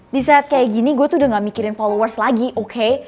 di saat kayak gini gue tuh udah gak mikirin followers lagi oke